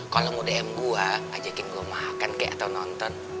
kalau lo mau dm gue ajakin gue makan kek atau nonton